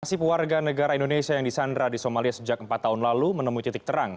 nasib warga negara indonesia yang disandra di somalia sejak empat tahun lalu menemui titik terang